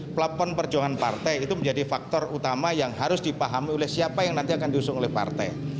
plafon perjuangan partai itu menjadi faktor utama yang harus dipahami oleh siapa yang nanti akan diusung oleh partai